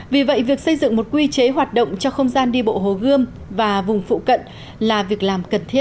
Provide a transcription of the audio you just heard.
vì vậy việc xây dựng một quy chế hoạt động cho không gian đi bộ hồ gươm và vùng phụ cận là việc làm cần thiết